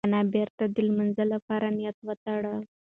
انا بېرته د لمانځه لپاره نیت وتړل.